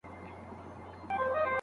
هغه سړي تېره ورځ کتاب ولوست.